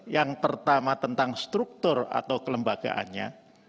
yang pertama tentang struktur atau kelembagaannya